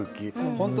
本当